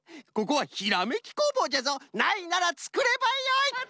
ここはひらめき工房じゃぞないならつくればよい！